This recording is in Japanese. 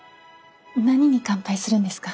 何に乾杯するんですか？